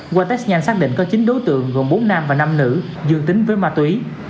qua test nhanh xác định có chín đối tượng gồm bốn nam và năm nữ dương tính với ma túy